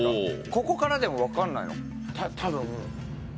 ここからでも分かんないの。